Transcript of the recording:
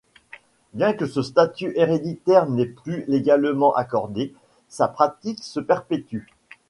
Bien que ce statut héréditaire n'est plus légalement accordé, sa pratique se perpétue.